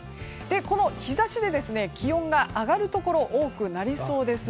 この日差しで気温が上がるところ多くなりそうです。